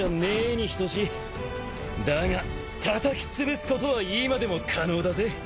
だがたたきつぶすことは今でも可能だぜ。